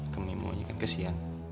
kemimo juga kesian